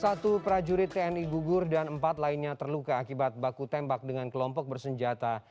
satu prajurit tni gugur dan empat lainnya terluka akibat baku tembak dengan kelompok bersenjata